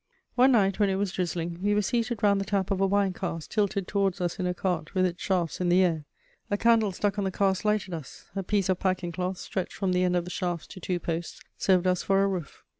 One night, when it was drizzling, we were seated round the tap of a wine cask tilted towards us in a cart with its shafts in the air. A candle stuck on the cask lighted us; a piece of packing cloth, stretched from the end of the shafts to two posts, served us for a roof.